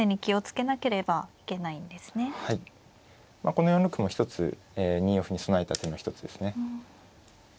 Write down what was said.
この４六歩も一つ２四歩に備えた手の一つですね。